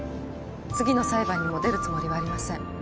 次の裁判にも出るつもりはありません。